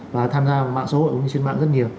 và tham gia mạng xã hội cũng như trên mạng rất nhiều